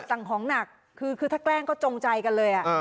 สั่งของหนักคือถ้าแกล้งก็จงใจกันเลย